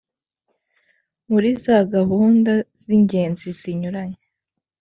muri za gahunda z'ingenzi zinyuranye,